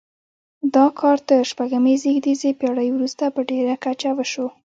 دا کار تر شپږمې زېږدیزې پیړۍ وروسته په ډیره کچه وشو.